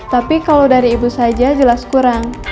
tapi kalau dari ibu saja jelas kurang